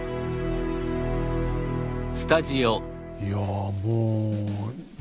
いやもう。